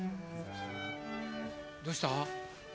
どうした？